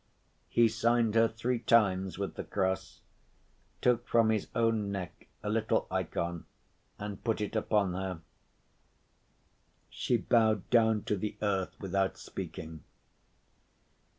He signed her three times with the cross, took from his own neck a little ikon and put it upon her. She bowed down to the earth without speaking.